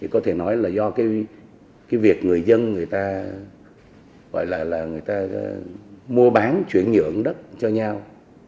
có thể nói là do việc người dân người ta mua bán chuyển nhượng đất cho nhau